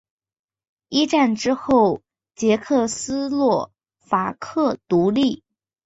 一战之后捷克斯洛伐克独立。